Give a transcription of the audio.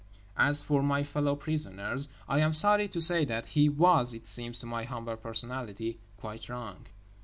As for my fellow prisoners, I am sorry to say that he was—it seems to my humble personality—quite wrong.